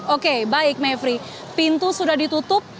oke baik mevri pintu sudah ditutup